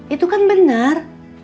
itu kan benar